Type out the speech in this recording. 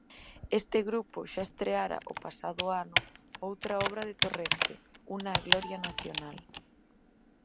Este grupo xa estreara o pasado ano outra obra de Torrente, "Una gloria nacional".